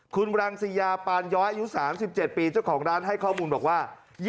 คุณรังสิยาปานย้อยอายุ๓๗ปีเจ้าของร้านให้ข้อมูลบอกว่า